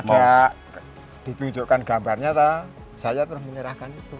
karena ada ditunjukkan gambarnya saya terus menyerahkan itu